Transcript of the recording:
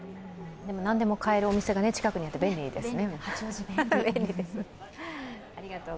何でも買えるお店が近くにあって、便利ですね。